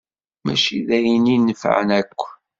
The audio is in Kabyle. Mačči d ayen inefεen akk.